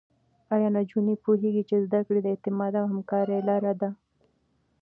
ایا نجونې پوهېږي چې زده کړه د اعتماد او همکارۍ لاره ده؟